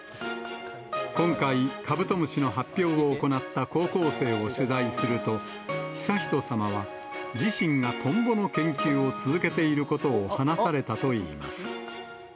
今回、カブトムシの発表を行った高校生を取材すると、悠仁さまは自身がトンボの研究を続けていることを話されたといいます。